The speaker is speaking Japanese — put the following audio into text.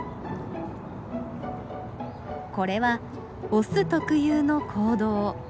これはオス特有の行動。